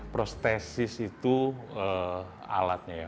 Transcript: prostesis itu alatnya ya